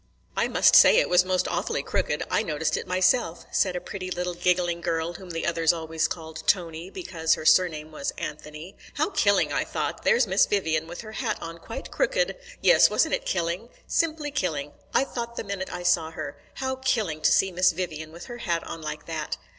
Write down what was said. "I must say it was most awfully crooked. I noticed it myself," said a pretty little giggling girl whom the others always called Tony, because her surname was Anthony. "How killing," I thought; "there's Miss Vivian with her hat on quite crooked." "Yes, wasn't it killing?" "Simply killing. I thought the minute I saw her: How killing to see Miss Vivian with her hat on like that!"